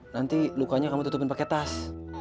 nanti lukanya kamu tutupin pakai tas